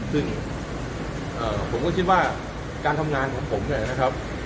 ซึ่งผมก็คิดว่าการทำงานของผมเนี่ยนะครับ